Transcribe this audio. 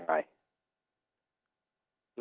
เขาจะรู้สึกอย่างไร